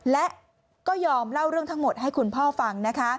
และก็ยอมเล่าเรื่องทั้งหมดให้คุณพ่อฟังนะคะ